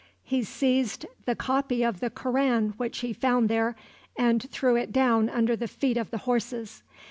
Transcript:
He seized the copy of the Koran which he found there, and threw it down under the feet of the horses.